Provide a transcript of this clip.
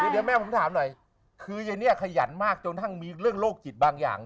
เดี๋ยวแม่ผมถามหน่อยคืออย่างนี้ขยันมากจนทั้งมีเรื่องโรคจิตบางอย่าง